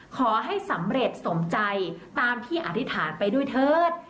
ขอให้สำเร็จสมใจตามที่อธิษฐานไปด้วยเถิด